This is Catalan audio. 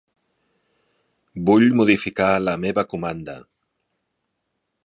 Vull modificar la meva comanda.